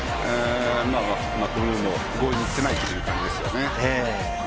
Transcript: マクブルームも強引にいっていないという感じですよね。